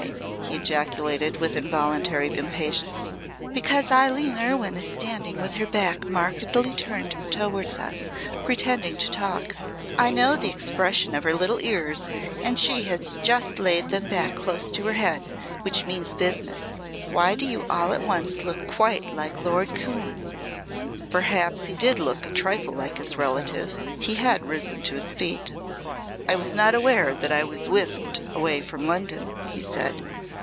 he ejaculated with involuntary impatience. "Because Eileen Erwyn is standing with her back markedly turned towards us, pretending to talk. I know the expression of her little ears and she has just laid them back close to her head, which means business. Why do you all at once look quite like Lord Coombe?" Perhaps he did look a trifle like his relative. He had risen to his feet. "I was not aware that I was whisked away from London," he said.